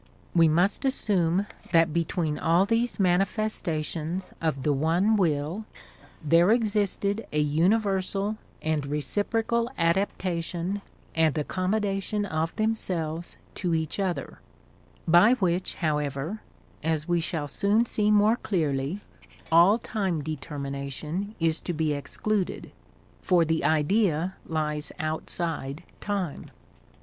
We must assume that between all these manifestations of the one will there existed a universal and reciprocal adaptation and accommodation of themselves to each other, by which, however, as we shall soon see more clearly, all time determination is to be excluded, for the Idea lies outside time.